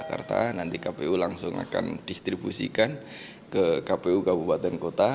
jakarta nanti kpu langsung akan distribusikan ke kpu kabupaten kota